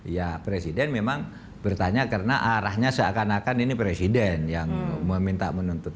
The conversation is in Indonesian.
ya presiden memang bertanya karena arahnya seakan akan ini presiden yang meminta menuntut